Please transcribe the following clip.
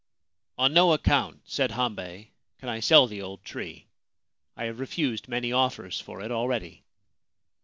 ' On no account/ said Hambei, ' can I sell the old tree. I have refused many offers for it already.'